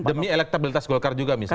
demi elektabilitas golkar juga misalnya